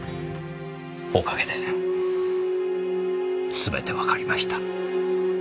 おかげですべてわかりました。